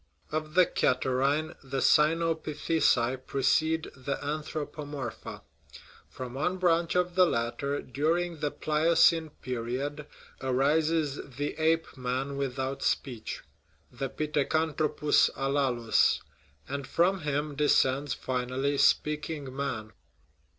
Of the catarrhinae, the cynopitheci precede the anthropomorpha ; from one branch of the latter, dur ing the Pliocene period, arises the ape man without speech (the pithecanthropus alalus) ; and from him de scends, finally, speaking man.